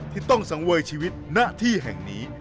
ที่ต้องสังเวยชีวิตณที่แห่งนี้